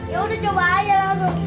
yaudah coba aja langsung